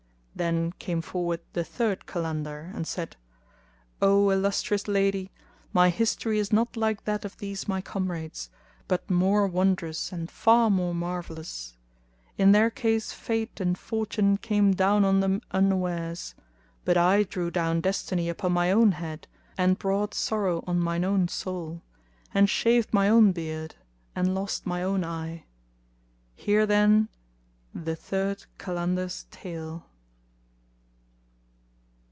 Then came forward the third Kalandar, and said, "O illustrious lady! my history is not like that of these my comrades, but more wondrous and far more marvellous. In their case Fate and Fortune came down on them unawares; but I drew down destiny upon my own head and brought sorrow on mine own soul, and shaved my own beard and lost my own eye. Hear then The Third Kalandar's Tale.